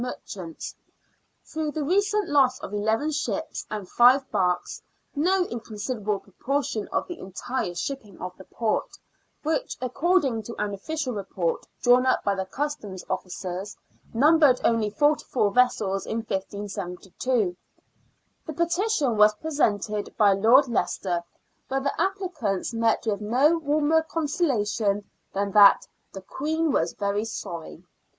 63 merchants, through the recent loss of eleven ships and live barks — no inconsiderable proportion of the entire shipping of the port, which, according to an official report drawn up by the Customs officers, numbered only forty four vessels in 1572. The petition was presented by Lord Leicester, but the applicants met with no warmer consola tion than that " the Queen was very sorry."